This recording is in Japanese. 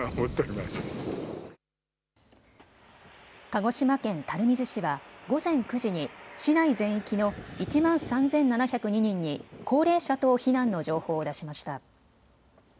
鹿児島県垂水市は午前９時に市内全域の１万３７０２人に高齢者等避難の情報を出しました。